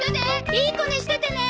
いい子にしててね！